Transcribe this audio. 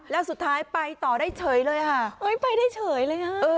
แล้วสุดท้ายไปต่อได้เฉยเลยค่ะเฮ้ยไปได้เฉยเลยอ่ะ